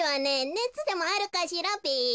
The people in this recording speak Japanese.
ねつでもあるかしらべ。